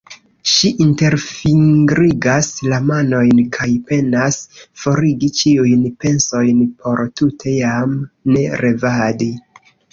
Ŝi interfingrigas la manojn kaj penas forigi ĉiujn pensojn por tute jam ne revadi.